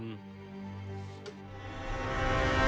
ย้อนกลับไปเมื่อเก้าวิทยุนายน๒๕๕๖